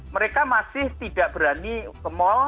mereka masih tidak berani ke mal